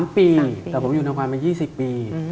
๓ปีแต่ผมอยู่ทางความมา๒๐ปี